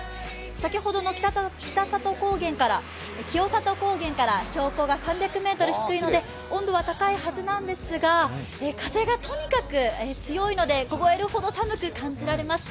先ほどの清里高原から標高が３００ｍ低いので温度は高いはずなんですが、風がとにかく強いので、凍えるほど寒く感じられます。